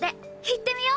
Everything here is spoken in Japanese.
行ってみよ？